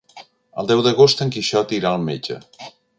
El deu d'agost en Quixot irà al metge.